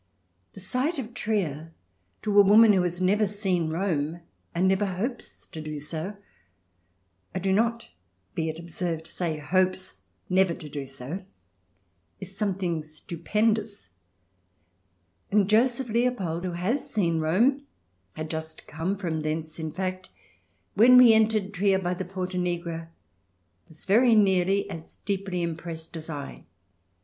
The sight of Trier to a woman who has never seen Rome and never hopes to do so — I do not, be it observed, say hopes never to do so — is something stupendous. And Joseph Leopold, who has seen Rome — had just come from thence, in fact — when we entered Trier by the Porta Nigra was very nearly as deeply impressed as I.